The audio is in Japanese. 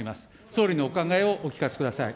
総理のお考えをお聞かせください。